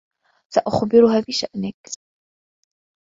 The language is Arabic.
سأخبرها بشأنك.